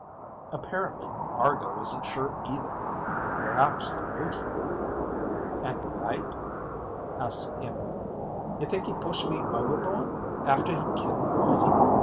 "Apparently Argo isn't sure either," Geo said. "Perhaps they're neutral." "And the mate?" asked Iimmi. "You think he pushed me overboard after he killed Whitey?"